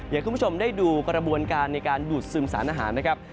ให้คุณผู้ชมได้ดูกระบวนการในการดูดซึมสารอาหารนะครับ